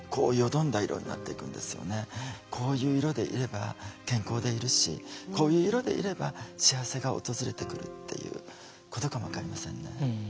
こういう色でいれば健康でいるしこういう色でいれば幸せが訪れてくるっていうことかも分かりませんね。